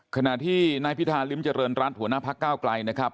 ขณะที่นายพิธาริมเจริญรัฐหัวหน้าพักก้าวไกลนะครับ